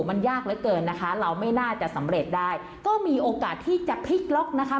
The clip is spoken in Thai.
มันยากเหลือเกินนะคะเราไม่น่าจะสำเร็จได้ก็มีโอกาสที่จะพลิกล็อกนะคะ